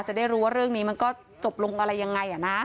จะได้รู้ว่าเรื่องนี้มันก็จบลงอะไรยังไง